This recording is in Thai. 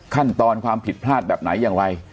ขั้นตอนความผิดพลาดแบบไหนอย่างไร